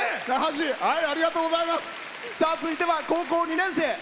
続いては高校２年生。